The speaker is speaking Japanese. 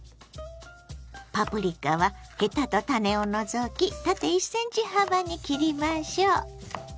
パプリカはヘタと種を除き縦１ｃｍ幅に切りましょう。